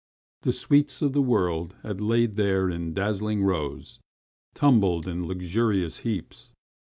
The sweets of the world had laid there in dazzling rows, tumbled in luxurious heaps.